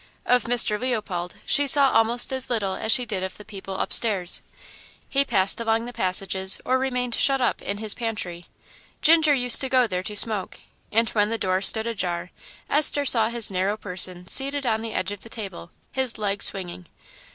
Of Mr. Leopold she saw almost as little as she did of the people upstairs. He passed along the passages or remained shut up in his pantry. Ginger used to go there to smoke; and when the door stood ajar Esther saw his narrow person seated on the edge of the table, his leg swinging.